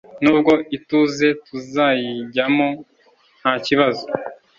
nubwo ituzuye tuzayijyamo ntakibazo